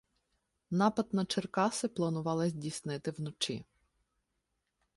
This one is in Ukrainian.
Напад на Черкаси планували здійснити вночі.